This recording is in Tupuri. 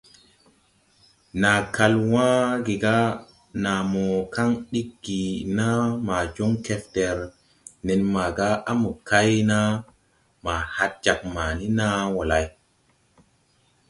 Naa kal wãã ge ga naa mo kaŋ ɗig gi naa ma joŋ kɛfder nen màgà à mo kay naa ma had jāg mani naa wɔ lay.